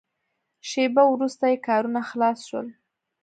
شېبه وروسته یې کارونه خلاص شول.